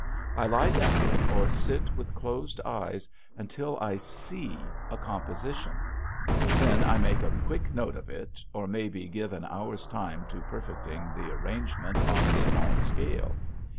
I lie down or sit with closed eyes until I "see" a composition, then I make a quick note of it or maybe give an hour's time to perfecting the arrangement on a small scale.